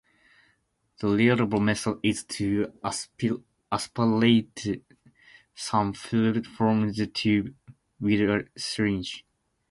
The reliable method is to aspirate some fluid from the tube with a syringe.